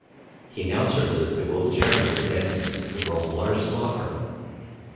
He now serves as the global chairman of Dentons, the world's largest law firm.